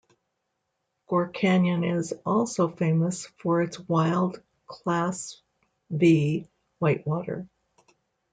Gore Canyon is also famous for its wild class V whitewater.